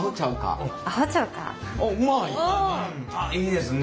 あっいいですね。